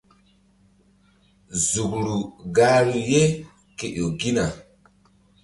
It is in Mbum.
Zukru gahru ye ke ƴo gina.